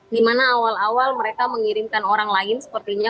di mana awal awal mereka mengirimkan orang lain sepertinya